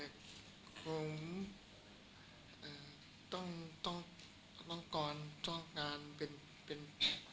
ต้องต้องต้องกรรมท่องานเป็นเป็น